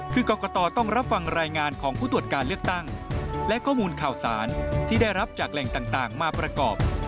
คือกรกตต้องรับฟังรายงานของผู้ตรวจการเลือกตั้งและข้อมูลข่าวสารที่ได้รับจากแหล่งต่างมาประกอบ